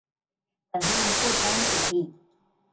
本案負擔比例